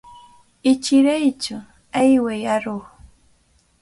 Ichiraytsu, ayway aruq.